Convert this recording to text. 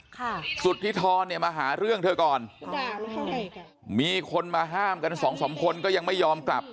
สุธิธรเนี่ยมาหาเรื่องเธอก่อนมีคนมาห้ามกันสองสามคนก็ยังไม่ยอมกลับ